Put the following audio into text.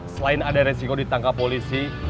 selain ada resiko ditangkap polisi